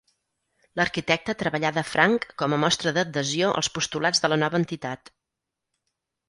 L'arquitecte treballà de franc com a mostra d'adhesió als postulats de la nova entitat.